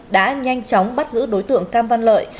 đã nhanh chóng bắt giữ đối tượng cam văn lợi